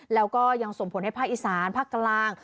แล้วก็ยังส่งผลให้ภาคอีสานภาคกลาง